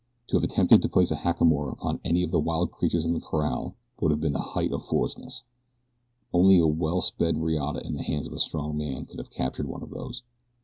To have attempted to place a hackamore upon any of the wild creatures in the corral would have been the height of foolishness only a well sped riata in the hands of a strong man could have captured one of these.